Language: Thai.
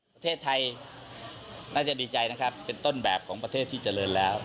ประเทศไทยน่าจะดีใจนะครับเป็นต้นแบบของประเทศที่เจริญแล้ว